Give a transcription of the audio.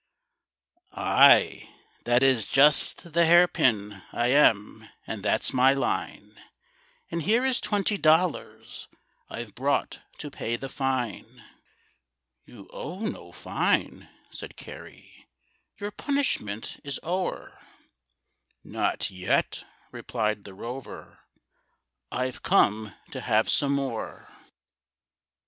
"Ay, that is just the hair pin I am, and that's my line; And here is twenty dollars I've brought to pay the fine." "You owe no fine," said Carey, "Your punishment is o'er." "Not yet," replied the rover; "I've come to have some more.